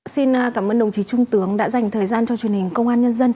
xin cảm ơn đồng chí trung tướng đã dành thời gian cho truyền hình công an nhân dân